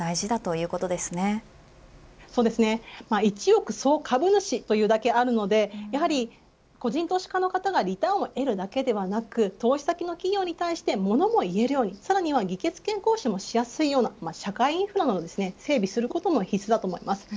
そうですね一億総株主というだけあるのでやはり個人投資家の方がリターンを得るだけではなく投資先の企業に対して物も言えるように、さらには議決権も行使しやすいような社会インフラを整備することも必須だと思います。